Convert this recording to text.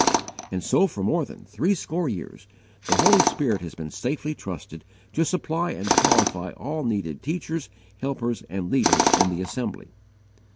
And so for more than threescore years the Holy Spirit has been safely trusted to supply and qualify all needed teachers, helpers, and leaders in the assembly.